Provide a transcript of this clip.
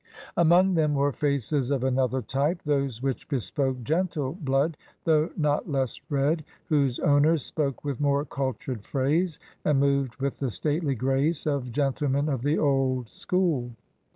Among them were faces of another type,— those which bespoke gentle blood, though not less red, whose owners spoke with more cultured phrase, and moved with the stately grace of " gentlemen of the old school."